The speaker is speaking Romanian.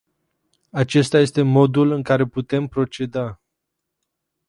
Acesta este modul în care putem proceda.